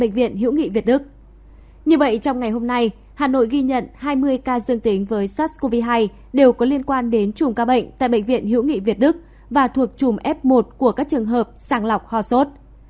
khi nhận hai mươi ca dương tính với sars cov hai đều có liên quan đến chùm ca bệnh tại bệnh viện hữu nghị việt đức và thuộc chùm f một của các trường hợp sàng lọc hoa sốt